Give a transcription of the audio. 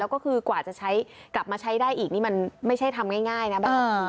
แล้วก็คือกว่าจะใช้กลับมาใช้ได้อีกนี่มันไม่ใช่ทำง่ายนะแบบ